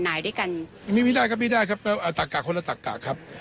ไหนด้วยกันไม่ได้ครับไม่ได้ครับตักกะคนละตักกะครับ